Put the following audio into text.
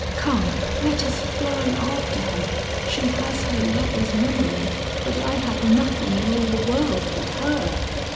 Come, let us fly after her! She has her lover's memory, but I have nothing in all the world but her."